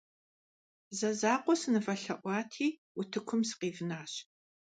Зэ закъуэ сынывэлъэӀуати, утыкум сыкъивнащ.